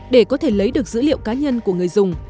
để có thể lấy được dữ liệu cá nhân của người dùng